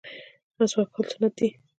مسواک وهل سنت دي